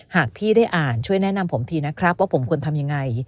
หากพี่ได้อ่านช่วยแนะนำผมทีนะครับว่าผมควรทำยังไง